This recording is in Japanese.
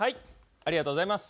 ありがとうございます。